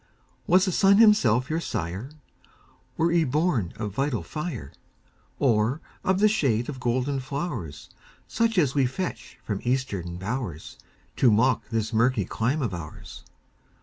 Was the sun himself your sire? Were ye born of vital fire? Or of the shade of golden flowers, Such as we fetch from Eastern bowers, To mock this murky clime of ours?